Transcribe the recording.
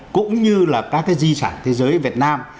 cũng như là các cái di sản thế giới việt nam